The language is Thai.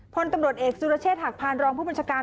พลตำรวจเอกสุรเชษฐหักพานรองผู้บัญชาการ